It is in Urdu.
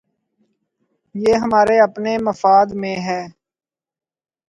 یہ ہمارے اپنے مفاد میں ہے۔